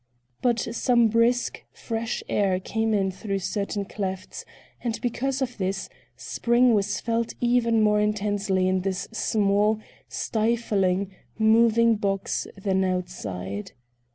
But some brisk, fresh air came in through certain clefts, and because of this, spring was felt even more intensely in this small, stifling, moving box, than outside.